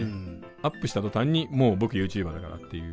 アップした途端にもう僕ＹｏｕＴｕｂｅｒだからっていう。